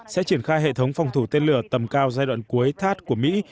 sẽ triển khai hệ thống phòng thủ tên lửa tầm cao giai đoạn cuối thắt của mỹ